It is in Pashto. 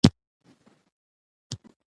خوب د ذهن تلپاتې دوست دی